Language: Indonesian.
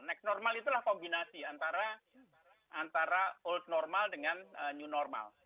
next normal itulah kombinasi antara old normal dengan new normal